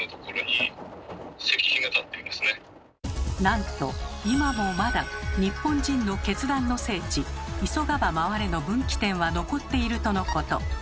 なんと今もまだ日本人の決断の聖地急がば回れの分岐点は残っているとのこと。